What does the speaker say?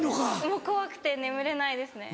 もう怖くて眠れないですね。